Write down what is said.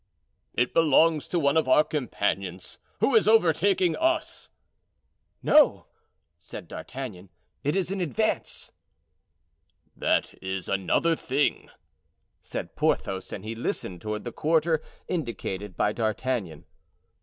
"It belongs to one of our companions, who is overtaking us." "No," said D'Artagnan, "it is in advance." "That is another thing," said Porthos; and he listened toward the quarter indicated by D'Artagnan.